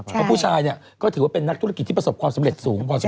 เพราะผู้ชายเนี่ยก็ถือว่าเป็นนักธุรกิจที่ประสบความสำเร็จสูงพอสม